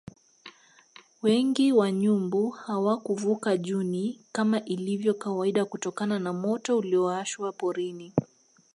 Wengi wa nyumbu hawakuvuka Juni kama ilivyo kawaida kutokana na moto uliowashwa porini